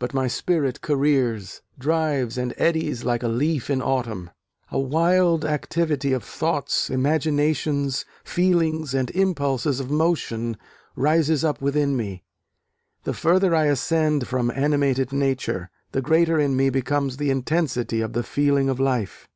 but my spirit careers, drives and eddies like a leaf in autumn; a wild activity of thoughts, imaginations, feelings and impulses of motion rises up within me.... The further I ascend from animated nature ... the greater in me becomes the intensity of the feeling of life.